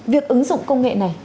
việc ứng dụng công nghệ này